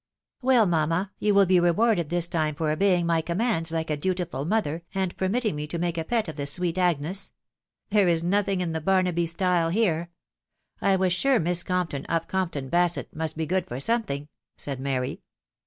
*c Well, mamma, you will be rewarded this time for obey ing my commands like a dutiful mother, and permitting jne to make a pet of this sweet Agnes. «. There k nothing in the Barnaby style here. ... I was sure Miss Gompton, of Camp ton Basett, must be good for something,'' said Mary.